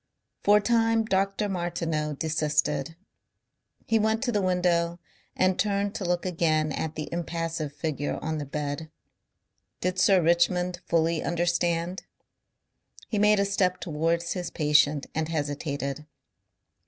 For a time Dr. Martineau desisted. He went to the window and turned to look again at the impassive figure on the bed. Did Sir Richmond fully understand? He made a step towards his patient and hesitated.